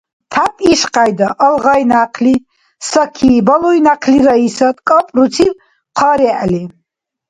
Тяп ишкьяйда, – алгъай някъли – Саки, балуй някъли – Раисат кӀапӀбуциб хъа регӀли.